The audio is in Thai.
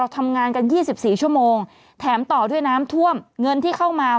ทำงานกัน๒๔ชั่วโมงแถมต่อด้วยน้ำท่วมเงินที่เข้ามา